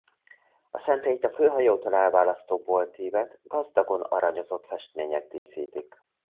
A szentélyt a főhajótól elválasztó boltívet gazdagon aranyozott festmények díszítik.